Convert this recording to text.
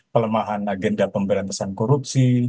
pelemahan agenda pemberantasan korupsi